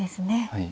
はい。